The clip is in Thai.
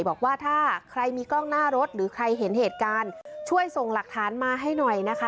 บอกว่าถ้าใครมีกล้องหน้ารถหรือใครเห็นเหตุการณ์ช่วยส่งหลักฐานมาให้หน่อยนะคะ